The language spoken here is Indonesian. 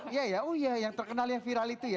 iya ya oh iya yang terkenal yang viral itu ya